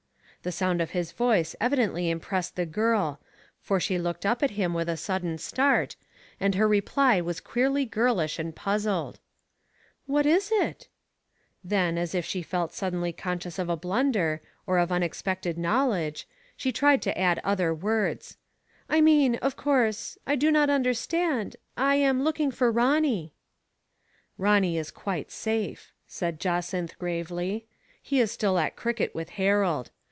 The sound of his voice evidently impressed the girl, for she looked up at him with a sudden start, and her reply was queerly girlish and puzzled. "What is it? " Then, as if she felt suddenly Digitized by Google JUSTIN H. MCCARTHY, M. P. 21 conscious of a blunder, or of unexpected knowl edge, she tried to add other words :•* I mean, of course — I do not understand — I am looking for Ronny." " Ronny is quite safe,'* said Jacynth gravely. " He is still at cricket with Harold.